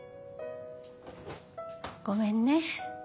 ごめんね。